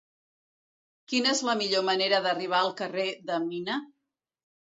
Quina és la millor manera d'arribar al carrer de Mina?